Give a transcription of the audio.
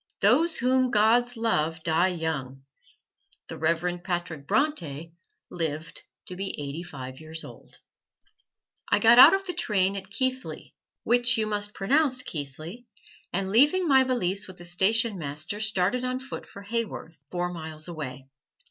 Those whom the gods love die young: the Reverend Patrick Bronte lived to be eighty five years old. I got out of the train at Keighley, which you must pronounce "Keethley," and leaving my valise with the station master started on foot for Haworth, four miles away.